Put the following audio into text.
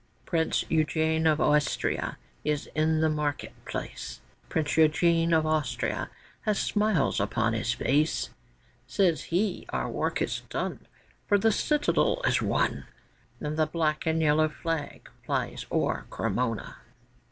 Prince Eugène of Austria is in the market place; Prince Eugène of Austria has smiles upon his face; Says he, 'Our work is done, For the Citadel is won, And the black and yellow flag flies o'er Cremona.